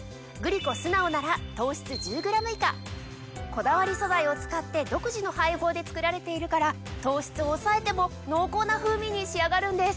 こだわり素材を使って独自の配合で作られているから糖質を抑えても濃厚な風味に仕上がるんです！